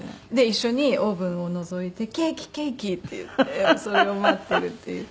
一緒にオーブンをのぞいて「ケーキケーキ」って言ってそれを待ってるっていう。